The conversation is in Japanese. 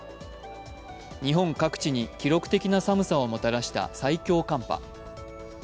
日本各地に記録的な寒さをもたらした最強寒波。